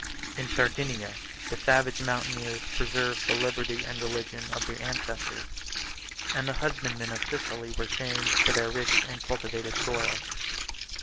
In Sardinia, the savage mountaineers preserved the liberty and religion of their ancestors; and the husbandmen of Sicily were chained to their rich and cultivated soil.